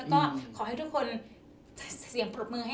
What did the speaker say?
ก็ขอให้ทุกคนเสียงปรบมือให้